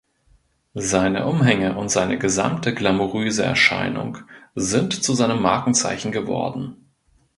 Seine Umhänge und seine gesamte glamouröse Erscheinung sind zu seinem Markenzeichen geworden.